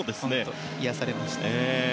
癒やされました。